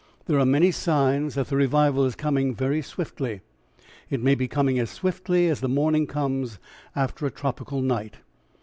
There are many signs that the revival is coming very swiftly, it may be coming as swiftly as the morning comes after a tropical night.